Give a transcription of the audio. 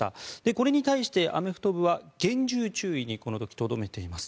これに対してアメフト部は厳重注意にこの時、とどめています。